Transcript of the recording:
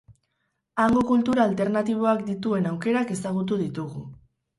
Hango kultura alternatiboak dituen aukerak ezagutu ditugu.